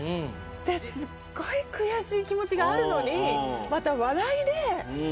すごい悔しい気持ちがあるのにまた。